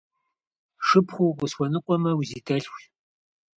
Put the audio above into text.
Шыпхъуу укъысхуэныкъуэмэ, узидэлъхущ.